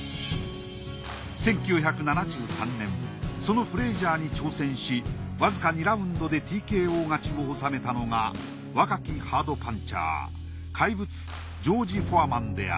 １９７３年そのフレイジャーに挑戦しわずか２ラウンドでＴＫＯ勝ちを収めたのが若きハードパンチャー怪物